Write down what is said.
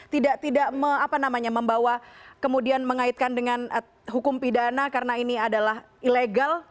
tidak tidak membawa kemudian mengaitkan dengan hukum pidana karena ini adalah ilegal